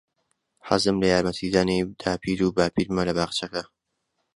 حەزم لە یارمەتیدانی داپیر و باپیرمە لە باخچەکە.